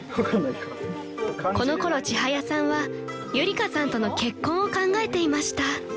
［このころちはやさんはゆりかさんとの結婚を考えていました］